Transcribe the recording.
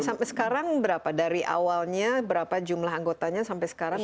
sampai sekarang berapa dari awalnya berapa jumlah anggotanya sampai sekarang